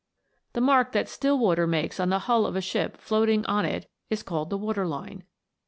The mark that still water makes on the hull of a ship floating on it is called the water line.